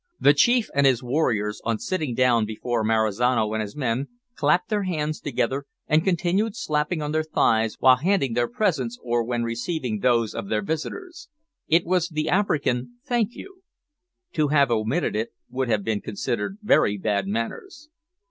The chief and his warriors, on sitting down before Marizano and his men, clapped their hands together, and continued slapping on their thighs while handing their presents, or when receiving those of their visitors. It was the African "thank you." To have omitted it would have been considered very bad manners.